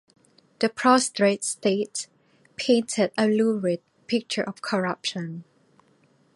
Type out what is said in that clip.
"The Prostrate State" painted a lurid picture of corruption.